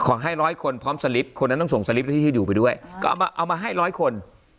ร้อยคนพร้อมสลิปคนนั้นต้องส่งสลิปที่ที่อยู่ไปด้วยก็เอามาให้ร้อยคน